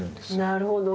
なるほど。